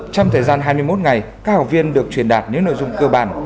trong thời gian hai mươi một ngày các học viên được truyền đạt những nội dung cơ bản